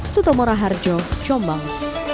sutomora harjo jombang